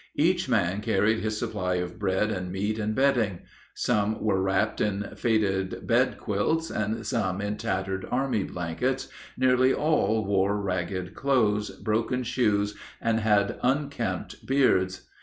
Each man carried his supply of bread and meat and bedding. Some were wrapped in faded bed quilts and some in tattered army blankets; nearly all wore ragged clothes, broken shoes, and had unkempt beards.